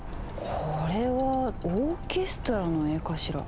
これはオーケストラの絵かしら？